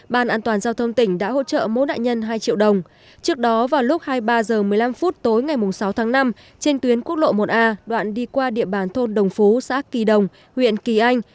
ban an toàn giao thông tỉnh đã hỗ trợ mỗi nạn nhân hai triệu đồng trước đó vào lúc hai mươi ba h một mươi năm tối ngày sáu tháng năm trên tuyến quốc lộ một a đoạn đi qua địa bàn thôn đồng phú xã kỳ đồng huyện kỳ anh